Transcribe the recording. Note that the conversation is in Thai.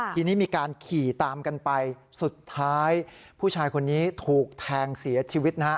ทีนี้มีการขี่ตามกันไปสุดท้ายผู้ชายคนนี้ถูกแทงเสียชีวิตนะฮะ